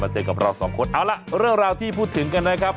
เจอกับเราสองคนเอาล่ะเรื่องราวที่พูดถึงกันนะครับ